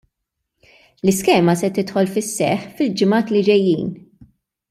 L-iskema se tidħol fis-seħħ fil-ġimgħat li ġejjin.